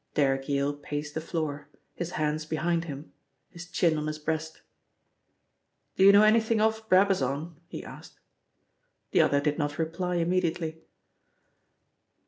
Derrick Yale paced the floor, his hands behind him, his chin on his breast. "Do you know anything of Brabazon?" he asked. The other did not reply immediately.